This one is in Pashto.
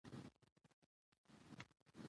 مقالې تر دولس زره کلمو پورې رسیدلی شي.